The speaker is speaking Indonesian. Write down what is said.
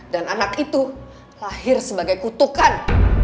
dan anak itu lahir sebagai kutukan